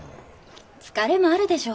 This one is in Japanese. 疲れもあるでしょ。